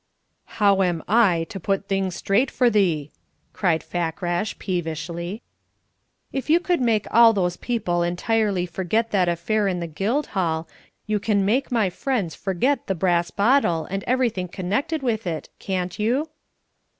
"How am I to put things straight for thee?" cried Fakrash, peevishly. "If you could make all those people entirely forget that affair in the Guildhall, you can make my friends forget the brass bottle and everything connected with it, can't you?"